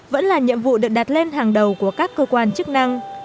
vẫn là nhiệm vụ được đặt lên hàng đầu của các cơ quan chức năng